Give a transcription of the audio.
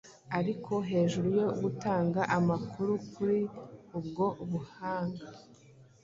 Ariko, hejuru yo gutanga amakuru kuri ubwo buhanga,